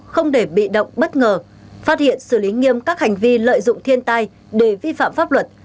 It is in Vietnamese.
không để bị động bất ngờ phát hiện xử lý nghiêm các hành vi lợi dụng thiên tai để vi phạm pháp luật